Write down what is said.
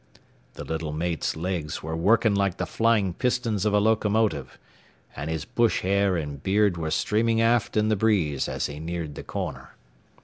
The little mate's legs were working like the flying pistons of a locomotive, and his bush hair and beard were streaming aft in the breeze as he neared the corner.